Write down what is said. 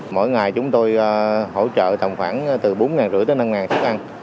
mỗi ngày chúng tôi hỗ trợ tầm khoảng từ bốn năm trăm linh đến năm xuất ăn